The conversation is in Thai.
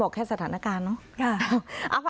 บอกแค่สถานการณ์เนอะค่ะ